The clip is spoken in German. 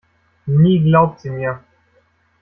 Nie glaubt sie mir.